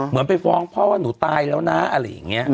ไปฟ้องพ่อว่าหนูตายแล้วนะอะไรอย่างนี้